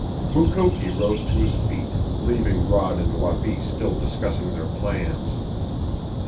Mukoki rose to his feet, leaving Rod and Wabi still discussing their plans.